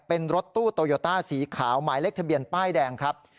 เป็นรถตู้โตโยต้าสีขาวหมายเลขทะเบียนป้ายแดงครับ